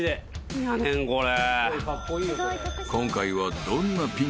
何やねんこれ。